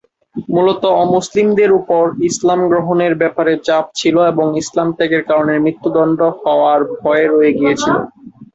মূলত অমুসলিমদের উপর ইসলাম গ্রহণের ব্যাপারে চাপ ছিল এবং ইসলাম ত্যাগের কারণে মৃত্যুদন্ড হওয়ার ভয় রয়ে গিয়েছিল।